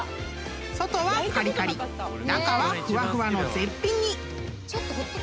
［外はカリカリ中はふわふわの絶品に］